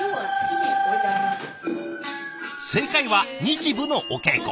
正解は日舞のお稽古。